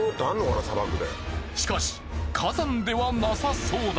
しかし火山ではなさそうだ。